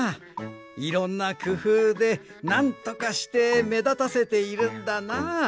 いろんなくふうでなんとかしてめだたせているんだなあ。